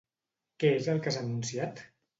Què és el que s'ha anunciat?